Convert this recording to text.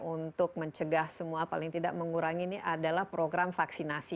untuk mencegah semua paling tidak mengurangi ini adalah program vaksinasi